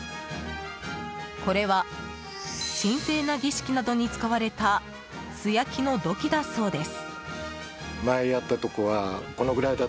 これは神聖な儀式などに使われた素焼きの土器だそうです。